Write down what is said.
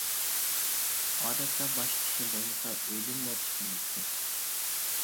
ئادەتتە باشقا ئىشى بولمىسا ئۆيدىنمۇ چىقمايتتى.